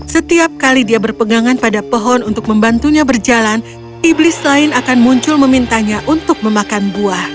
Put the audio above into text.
setiap kali dia berpegangan pada pohon untuk membantunya berjalan iblis lain akan muncul memintanya untuk memakan buah